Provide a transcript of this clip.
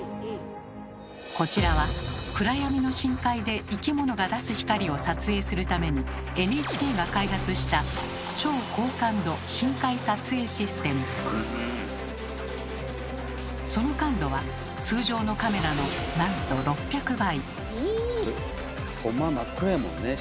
こちらは暗闇の深海で生き物が出す光を撮影するためにＮＨＫが開発したその感度は通常のカメラのなんと６００倍。え！